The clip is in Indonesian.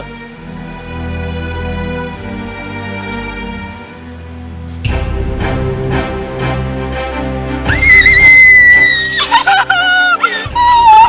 tidak ada nampak bekas bermobil